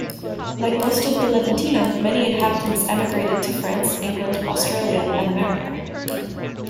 Like most of the Leventina, many inhabitants emigrated to France, England, Australia and America.